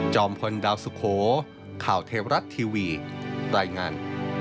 พลดาวสุโขข่าวเทวรัฐทีวีรายงาน